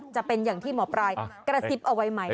จะเป็นอย่างที่หมอปลายกระซิบเอาไว้ไหม